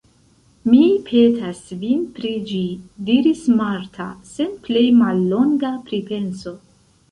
Mi petas vin pri ĝi, diris Marta sen plej mallonga pripenso.